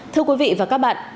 thưa quý vị và các bạn